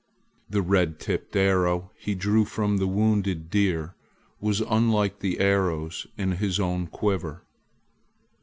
The red tipped arrow he drew from the wounded deer was unlike the arrows in his own quiver.